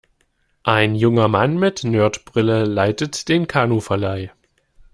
Ein junger Mann mit Nerd-Brille leitet den Kanuverleih.